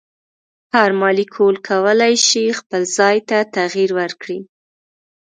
هر مالیکول کولی شي خپل ځای ته تغیر ورکړي.